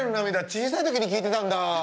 小さい時に聴いてたんだ！